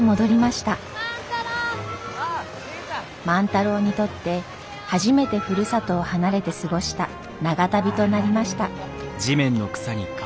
万太郎にとって初めてふるさとを離れて過ごした長旅となりました。